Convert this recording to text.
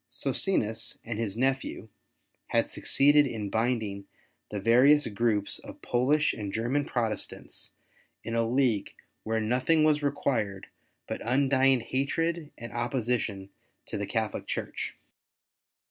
Socinus and his nephew had succeeded in binding the various groups of Polish and German Protestants in a league where nothing was required but undying hatred and opposition to the Catholic Church.